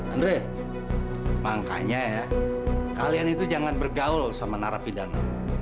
andre makanya ya kalian itu jangan bergaul sama narapidana